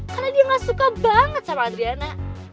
karena dia gak suka banget sama adriana